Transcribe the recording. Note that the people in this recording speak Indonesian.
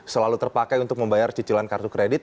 selalu terpakai untuk membayar cicilan kartu kredit